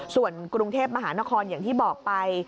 ส่วนกรุงเทพมหานครอย่างที่บอกไป